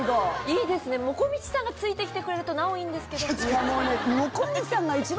いいですねもこみちさんがついて来てくれるとなおいいんですけど。